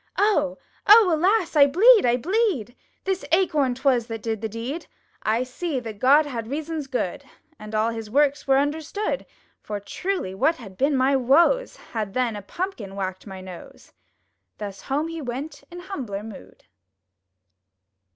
"Oh! Oh! alas! I bleed! I bleed! This Acorn 'twas that did the deed! I see that God had reasons good. And all His works were understood, For, truly, what had been my woes. Had, then, a Pumpkin whacked my nose!" Thus home he went in humbler mood!